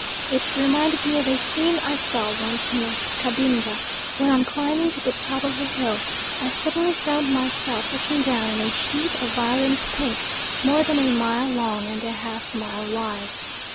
It reminded me of a scene I saw once near Cabinda, when on climbing to the top of a hill I suddenly found myself looking down on a sheet of violet pink more than a mile long and half a mile wide.